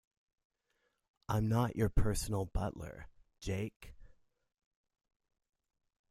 I'm not your personal butler, Jake.